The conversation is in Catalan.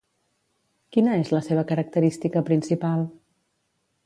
Quina és la seva característica principal?